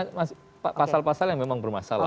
karena ini pasal pasal yang memang bermasalah